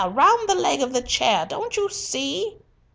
Round the leg of the chair, don't you see!"